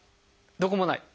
どこもない？